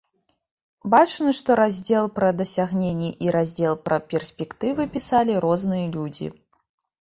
Бачна, што раздзел пра дасягненні і раздзел пра перспектывы пісалі розныя людзі.